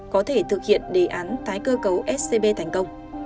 có thể thực hiện đề án tái cơ cấu scb thành công